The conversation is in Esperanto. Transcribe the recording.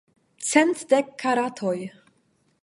Cent dek karatoj.